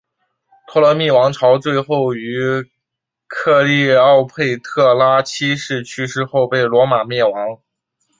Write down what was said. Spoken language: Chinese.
托勒密王朝最后于克丽奥佩特拉七世去世后被罗马灭亡。